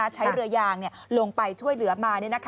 ใช้เรือยางลงไปช่วยเหลือมา